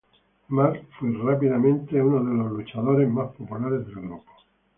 Mack fue instantáneamente uno de los luchadores más populares del grupo.